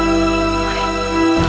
kamu kemana sime